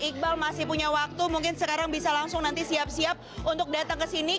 iqbal masih punya waktu mungkin sekarang bisa langsung nanti siap siap untuk datang ke sini